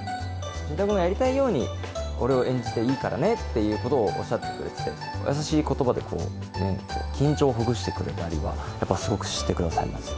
慎太郎君がやりたいように俺を演じてくれていいからねって、おっしゃってくれてて、優しいことばで緊張をほぐしてくれたりはすごくしてくださいます